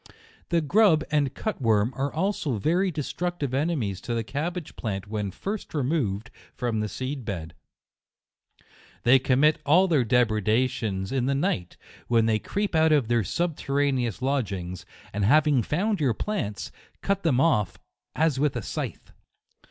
The grub and cut worm are also very de structive enemies to the cabbage plant when first removed from the seed bed. They com mit all their depredations in the night, when they creep out of their subterraneous lodg ings, and having found your plants, cut them off as with a scythe.